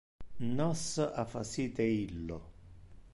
Nos ha facite illo.